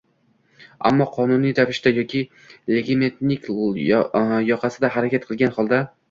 Ammo qonuniy ravishda yoki legitimlik yoqasida harakat qilgan holda